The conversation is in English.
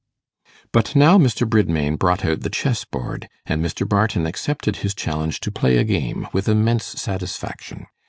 But now Mr. Bridmain brought out the chess board, and Mr. Barton accepted his challenge to play a game, with immense satisfaction.